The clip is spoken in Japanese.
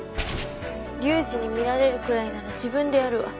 隆治に見られるくらいなら自分でやるわ。